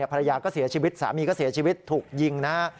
ภรรยาก็เสียชีวิตสามีก็เสียชีวิตถูกยิงนะฮะ